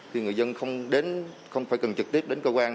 thì người dân không phải cần trực tiếp đến cơ quan